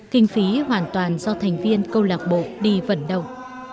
kinh phí hoàn toàn do thành viên câu lạc bộ đi vận động